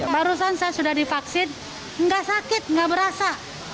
barusan saya sudah divaksin nggak sakit nggak berasa